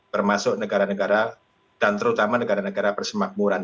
termasuk negara negara dan terutama negara negara persemakmuran